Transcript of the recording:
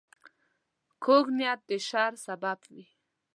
کوږ نیت د شر سبب وي